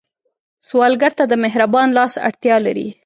سوالګر ته د مهربان لاس اړتیا لري